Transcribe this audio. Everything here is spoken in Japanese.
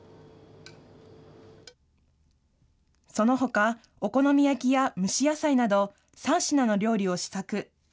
そのほか、お好み焼きや蒸し野菜など、３品の料理を試作。